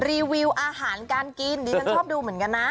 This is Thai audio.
รีวิวอาหารการกินดิฉันชอบดูเหมือนกันนะ